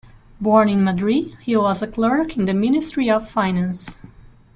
Born in Madrid, he was a clerk in the ministry of finance.